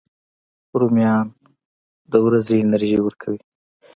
رومیان د ورځې انرژي ورکوي